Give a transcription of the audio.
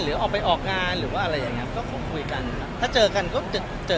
หรือออกไปออกงานหรือว่าอะไรอย่างเงี้ยก็คงคุยกันครับถ้าเจอกันก็จะเจอ